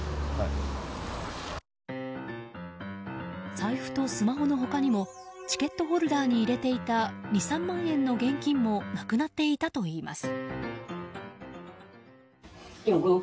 財布とスマホの他にもチケットホルダーに入れていた２３万円の現金もなくなっていたといいます。